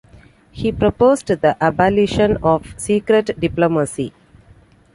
He proposed the abolition of secret diplomacy.